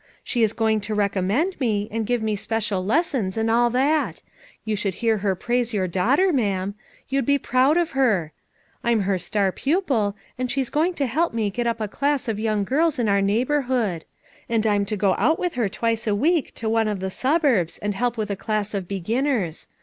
She is going to recommend me, and give me special les sons and all that; you should hear her praise your daughter, ma'am; you'd be proud of her. I'm her star pupil, and she's going to help me get up a class of young girls in our neighbor hood; and I'm to go out with her twice a week to one of the suburbs and help with a class of beginners.